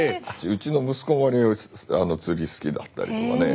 うちの息子も割合釣り好きだったりとかね。